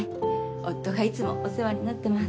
夫がいつもお世話になってます。